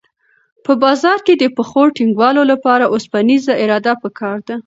په بازار کې د پښو ټینګولو لپاره اوسپنیزه اراده پکار ده.